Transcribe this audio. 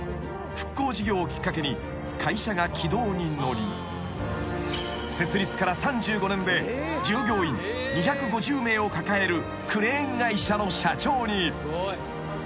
復興事業をきっかけに会社が軌道に乗り設立から３５年で従業員２５０名を抱えるクレーン会社の社長に］